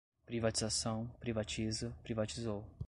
Privatização, privatiza, privatizou